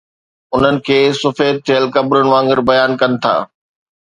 انهن کي سفيد ٿيل قبرن وانگر بيان ڪن ٿا.